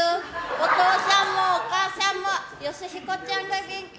お父さんもお母さんもヨシヒコちゃんが元気。